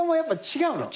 違う。